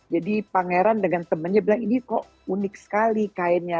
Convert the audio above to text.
jadi pangeran dengan temannya bilang ini kok unik sekali kainnya